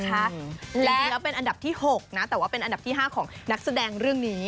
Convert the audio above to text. จริงแล้วเป็นอันดับที่๖นะแต่ว่าเป็นอันดับที่๕ของนักแสดงเรื่องนี้